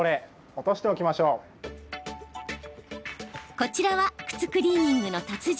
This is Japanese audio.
こちらは、靴クリーニングの達人